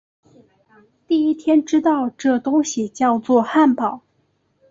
第一天知道这东西叫作汉堡